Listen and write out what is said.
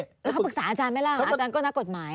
แล้วเขาปรึกษาอาจารย์ไหมล่ะอาจารย์ก็นักกฎหมาย